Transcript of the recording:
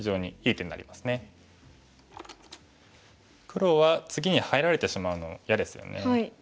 黒は次に入られてしまうのは嫌ですよね。